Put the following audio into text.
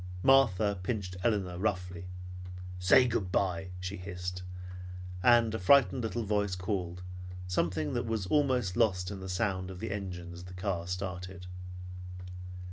Martha pinched Elinor roughly. "Say good bye!" she hissed, and a frightened little voice called, something that was almost lost in the sound of the engine as the car started.